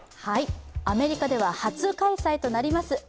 アメリカでは初開催となります